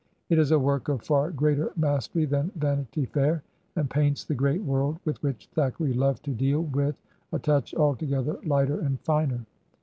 It is a work of far greater mastery than " Vanity Fair," and paints the great world with which Thackeray loved to deal with a touch altogether lighter and finer.